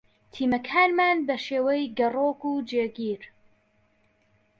تیمەکانمان بە شێوەی گەڕۆک و جێگیر